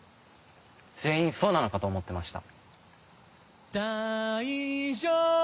全員そうなのかと思ってました。